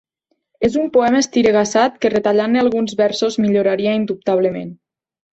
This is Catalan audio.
És un poema estiregassat que retallant-ne alguns versos milloraria indubtablement.